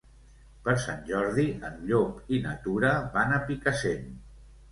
Per Sant Jordi en Llop i na Tura van a Picassent.